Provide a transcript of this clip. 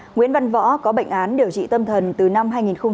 nguyễn văn võ có bệnh án điều trị tâm thần từ năm hai nghìn một mươi